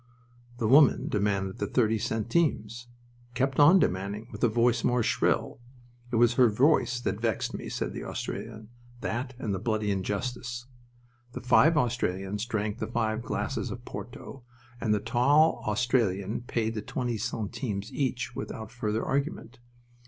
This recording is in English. The woman demanded the thirty centimes; kept on demanding with a voice more shrill. "It was her voice that vexed me," said the Australian. "That and the bloody injustice." The five Australians drank the five glasses of porto, and the tall Australian paid the thirty centimes each without further argument.